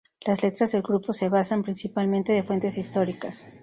Las letras del grupo se basan, principalmente, de fuentes históricas.